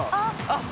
あっ！